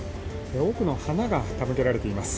多くの花が手向けられています。